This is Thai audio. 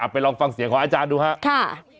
ไปลองฟังเสียงของอาจารย์ดูครับ